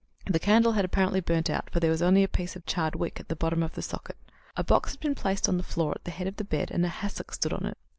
The candle had apparently burnt out, for there was only a piece of charred wick at the bottom of the socket. A box had been placed on the floor at the head of the bed and a hassock stood on it.